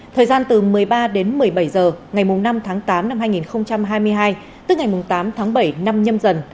thời gian từ một mươi ba đến một mươi bảy h ngày năm tháng tám năm hai nghìn hai mươi hai tức ngày tám tháng bảy năm nhâm dần